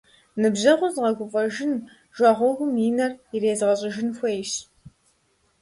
Ныбжьэгъур згъэгуфӏэжын, жагъуэгъум и нэр ирезгъэщӏыжын хуейщ.